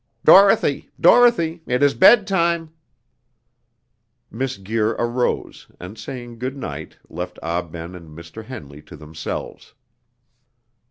"Dorothy! Dorothy! it is bed time!" Miss Guir arose, and saying "Good night," left Ah Ben and Mr. Henley to themselves.